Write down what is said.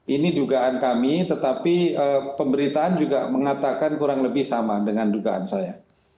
ini dugaan kami tetapi pemberitaan juga mengatakan kurang lebih sama dengan dugaan saya